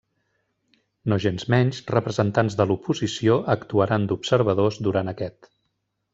Nogensmenys representants de l'oposició actuaran d'observadors durant aquest.